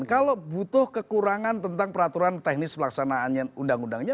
kalau butuh kekurangan tentang peraturan teknis pelaksanaan undang undangnya